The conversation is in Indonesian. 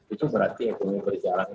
itu berarti ekonomi berjalan